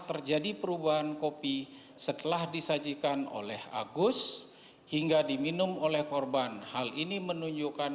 terjadi perubahan kopi setelah disajikan oleh agus hingga diminum oleh korban hal ini menunjukkan